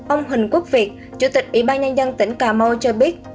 ông huỳnh quốc việt chủ tịch ủy ban nhân dân tỉnh cà mau cho biết